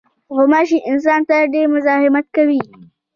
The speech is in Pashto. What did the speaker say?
غوماشې انسان ته ډېر مزاحمت کوي.